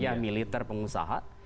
paham ya militer pengusaha